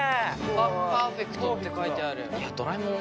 あっパーフェクトって書いてある。